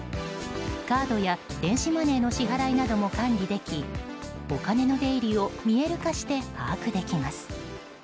カードや電子マネーの支払いなども管理できお金の出入りを見える化して把握できます。